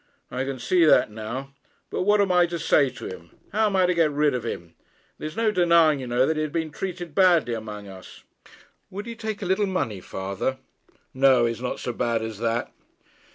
'I can see that now. But what am I to say to him? How am I to get rid of him? There is no denying, you know, that he has been treated badly among us.' 'Would he take a little money, father?' 'No. He's not so bad as that.'